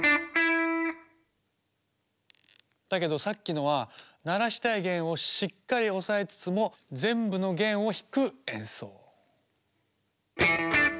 だけどさっきのは鳴らしたい弦をしっかり押さえつつも全部の弦を弾く演奏。